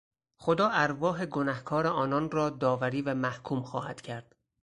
خدا ارواح گنهکار آنان را داوری و محکوم خواهد کرد.